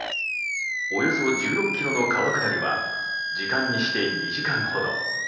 およそ１６ｋｍの川下りは時間にして２時間ほど。